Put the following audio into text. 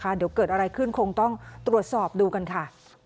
เดี๋ยวเกิดอะไรขึ้นคงต้องตรวจสอบดูกันค่ะ